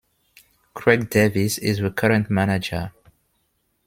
Craig Davis is the current manager.